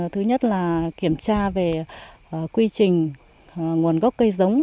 thứ nhất là kiểm tra về quy trình nguồn gốc cây giống